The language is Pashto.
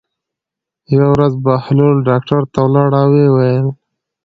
یوه ورځ بهلول ډاکټر ته لاړ او ویې ویل.